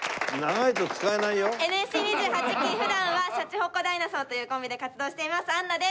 ＮＳＣ２８期普段は鯱鉾ダイナソーというコンビで活動していますアンナです。